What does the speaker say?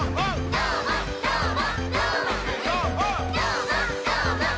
どーもどーも。